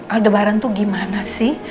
aldebaran tuh gimana sih